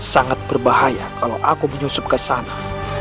sangat berbahaya kalau aku menyusup ke sana